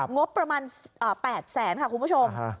งบประมาณ๘แสนค่ะคุณผู้ชม